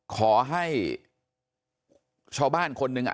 ขอให้ชาวบ้านคนหนึ่ง